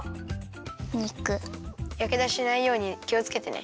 やけどしないようにきをつけてね。